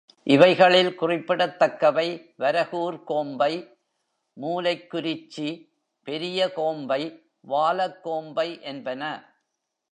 இவைகளில் குறிப்பிடத்தக்கவை, வரகூர் கோம்பை, மூலைக்குரிச்சி, பெரிய கோம்பை, வாலக் கோம்பை என்பன.